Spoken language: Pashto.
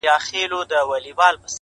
• اسمان او مځکه نیولي واوري -